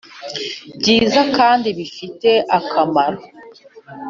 byiza kandi bifite akamaro